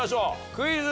クイズ。